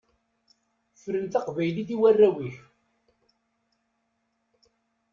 Fren taqbaylit i warraw-ik.